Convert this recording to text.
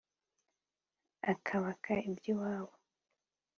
akabaka iby’iwabo